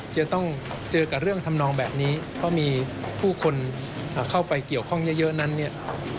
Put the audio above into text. จะต้องเจอกับเรื่องทำนองแบบนี้เพราะมีผู้คนเข้าไปเกี่ยวข้องเยอะนั้นเนี่ย